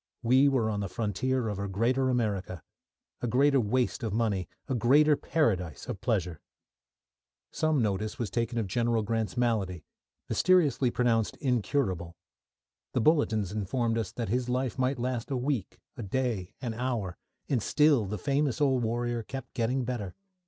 We were on the frontier of a greater America, a greater waste of money, a greater paradise of pleasure. Some notice was taken of General Grant's malady, mysteriously pronounced incurable. The bulletins informed us that his life might last a week, a day, an hour and still the famous old warrior kept getting better.